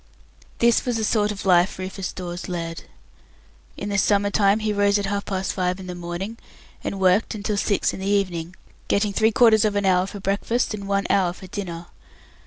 This was the sort of life Rufus Dawes led. In the summer time he rose at half past five in the morning, and worked until six in the evening, getting three quarters of an hour for breakfast, and one hour for dinner.